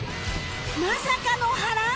まさかの波乱！